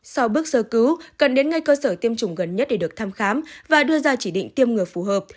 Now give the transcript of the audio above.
sau bước sơ cứu cần đến ngay cơ sở tiêm chủng gần nhất để được thăm khám và đưa ra chỉ định tiêm ngừa phù hợp